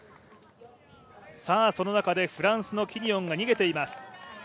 その中でフランスのキニオンが逃げています。